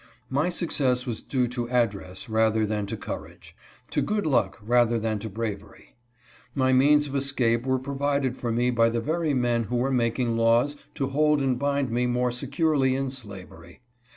My success was due to address rather than to courage ; to good luck rather than to bravery. My means of escape were provided for me by the very men who were making laws to hold and \ bind me more securely in slavery.